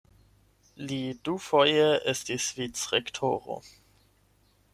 Li dufoje estis vicrektoro.